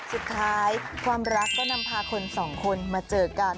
สุดท้ายความรักก็นำพาคนสองคนมาเจอกัน